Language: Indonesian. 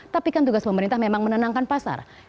tapi kan tugas pemerintah memang menenangkan pasar